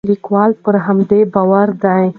لیکوال پر همدې باور دی.